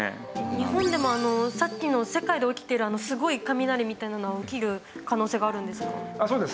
日本でもさっきの世界で起きてるすごい雷みたいなのは起きる可能性があるんですか？